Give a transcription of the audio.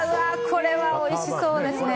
これはおいしそうですね。